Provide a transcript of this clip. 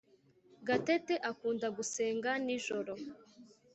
gatete akunda gusenga nijoro